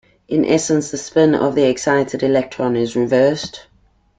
In essence, the spin of the excited electron is reversed.